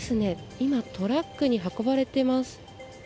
今、トラックに運ばれています。